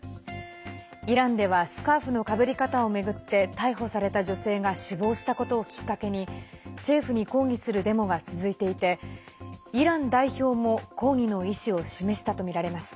イランではスカーフのかぶり方を巡って逮捕された女性が死亡したことをきっかけに政府に抗議するデモが続いていてイラン代表も抗議の意思を示したとみられます。